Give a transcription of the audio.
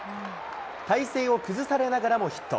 体勢を崩されながらもヒット。